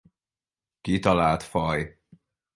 Kitalált faj.